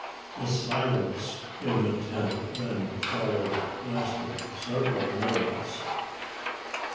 A silence in the tent then followed, lasting several moments.